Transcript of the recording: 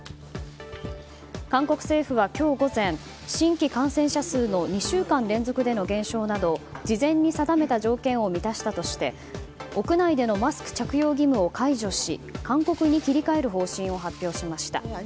韓国政府は今日午前新規感染者数の２週間連続の減少など事前に定めた条件を満たしたとして屋内でのマスク着用義務を解除し勧告に切り替える方針を発表しました。